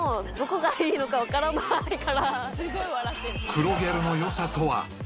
［黒ギャルの良さとは？］